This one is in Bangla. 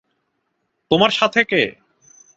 তোমার সাথে কে?